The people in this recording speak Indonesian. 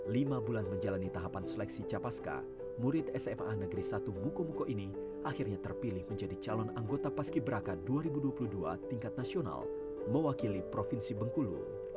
lima bulan menjalani tahapan seleksi capaska murid sma negeri satu buku buku ini akhirnya terpilih menjadi calon anggota paski beraka dua ribu dua puluh dua tingkat nasional mewakili provinsi bengkulu